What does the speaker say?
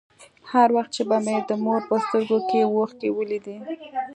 هر وخت چې به مې د مور په سترگو کښې اوښکې ولېدې.